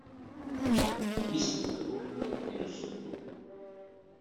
Výstup do okna i do souborů.